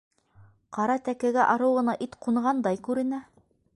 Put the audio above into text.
Ҡара тәкәгә арыу ғына ит ҡунғандай күренә.